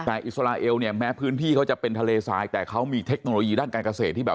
แต่อิสราเอลเนี่ยแม้พื้นที่เขาจะเป็นทะเลทรายแต่เขามีเทคโนโลยีด้านการเกษตรที่แบบ